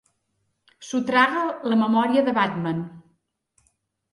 Sotraga la memòria de Batman.